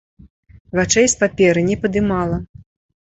Вачэй з паперы не падымала.